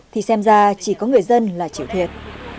thì xem ra chỉ có người dân là chịu thiệt